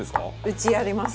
うちやります。